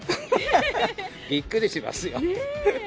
びっくりしますよ。